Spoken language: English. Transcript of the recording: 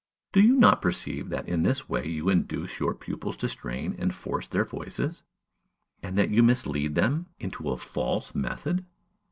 Do you not perceive that in this way you induce your pupils to strain and force their voices, and that you mislead them into a false method?